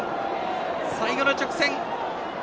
最後の直線。